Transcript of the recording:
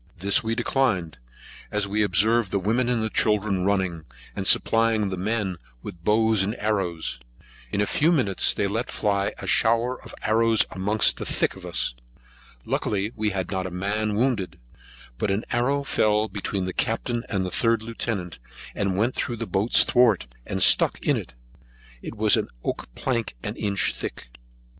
This we declined, as we observed the women and children running, and supplying the men with bows and arrows. In a few minutes, they let fly a shower of arrows amongst the thick of us. Luckily we had not a man wounded; but an arrow fell between the Captain and Third Lieutenant, and went through the boats thwart, and stuck in it. It was an oak plank inch thick.